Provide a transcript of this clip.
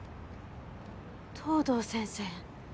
藤堂先生